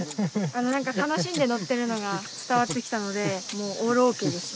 何か楽しんで乗ってるのが伝わってきたのでもうオールＯＫです。